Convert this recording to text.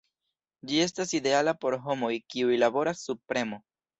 Ĝi estas ideala por homoj kiuj laboras sub premo.